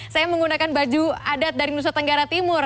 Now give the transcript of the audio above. saya menggunakan baju adat dari nusa tenggara timur